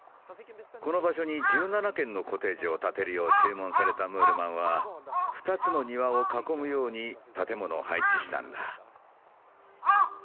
この場所に１７軒のコテージを建てるよう注文されたムールマンは２つの庭を囲むように建物を配置したんだ。